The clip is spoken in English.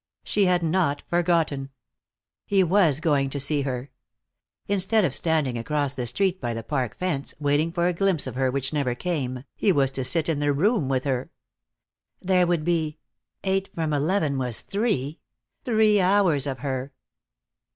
She had not forgotten. He was going to see her. Instead of standing across the street by the park fence, waiting for a glimpse of her which never came, he was to sit in the room with her. There would be eight from eleven was three three hours of her.